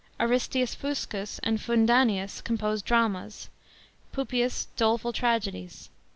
* ABISTIUS Foscus and FUNDANIUS composed dramas, PUPIUS doleful tragedies.